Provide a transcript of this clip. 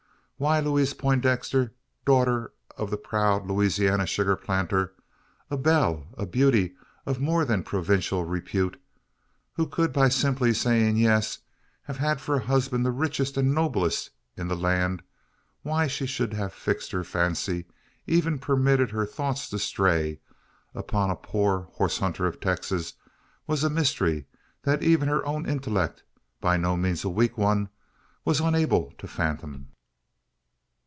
Why Louise Poindexter, daughter of the proud Louisiana sugar planter a belle a beauty of more than provincial repute who could, by simply saying yes, have had for a husband the richest and noblest in the land why she should have fixed her fancy, or even permitted her thoughts to stray, upon a poor horse hunter of Texas, was a mystery that even her own intellect by no means a weak one was unable to fathom.